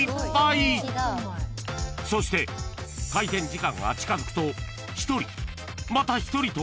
［そして開店時間が近づくと一人また一人と］